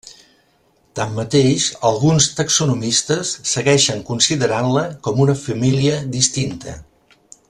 Tanmateix alguns taxonomistes segueixen considerant-la com una família distinta.